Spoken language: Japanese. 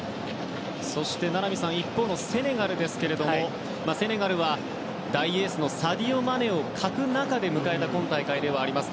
そして一方セネガルですがセネガルは大エースのサディオ・マネを欠く中で迎えた今大会です。